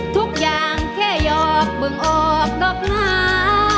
ทุกอย่างแค่ยอกเบื้องออกดอกหน้า